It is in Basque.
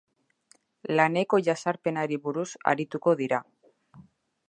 Laneko jazarpenari buruz arituko dira.